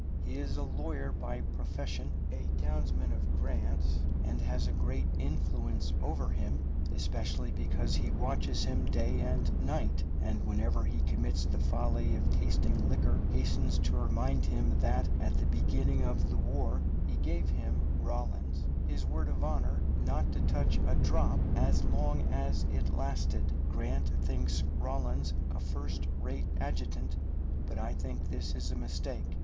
He is a lawyer by profession, a townsman of Grant's, and has a great influence over him, especially because he watches him day and night, and whenever he commits the folly of tasting liquor hastens to remind him that at the beginning of the war he gave him [Rawlins] his word of honor not to touch a drop as long as it lasted. Grant thinks Rawlins a first rate adjutant, but I think this is a mistake.